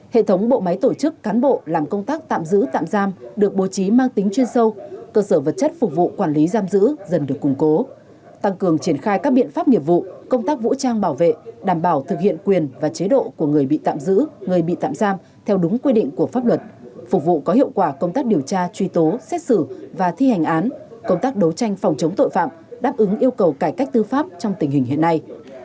hệ thống bộ máy tổ chức cán bộ làm công tác tạm giữ tạm giam được bố trí mang tính chuyên sâu cơ sở vật chất phục vụ quản lý giam giữ dần được củng cố tăng cường triển khai các biện pháp nghiệp vụ công tác vũ trang bảo vệ đảm bảo thực hiện quyền và chế độ của người bị tạm giữ người bị tạm giam theo đúng quy định của pháp luật phục vụ có hiệu quả công tác điều tra truy tố xét xử và thi hành án công tác đấu tranh phòng chống tội phạm đáp ứng yêu cầu cải cách tư pháp trong tình hình hiện nay